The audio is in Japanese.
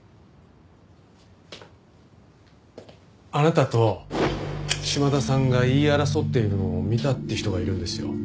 あなたと島田さんが言い争っているのを見たって人がいるんですよ。